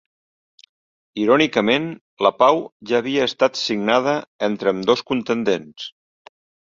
Irònicament, la pau ja havia estat signada entre ambdós contendents.